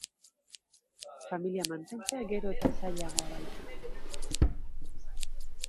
Familia mantentzea gero eta zailago baita.